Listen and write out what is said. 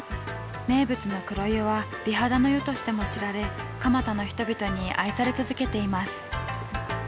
名物の黒湯は美肌の湯としても知られ蒲田の人々に愛され続けています。